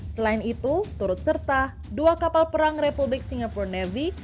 selain itu turut serta dua kapal perang republik singapura navy